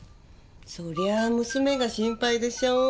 そりゃあ娘が心配でしょ。